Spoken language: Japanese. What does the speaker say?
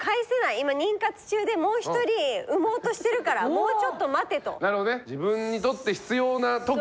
今妊活中でもう１人産もうとしてるからもうちょっと待てと。